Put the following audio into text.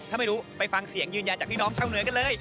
ถ้าไม่รู้ไปฟังเสียงยืนยันจากพี่น้องชาวเหนือกันเลย